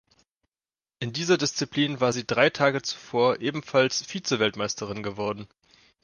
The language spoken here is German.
In dieser Disziplin war sie drei Tage zuvor ebenfalls Vizeweltmeisterin geworden.